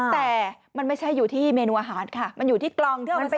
แต่มันไม่ใช่อยู่ที่เมนูอาหารค่ะมันอยู่ที่กลองที่เอามันเป็น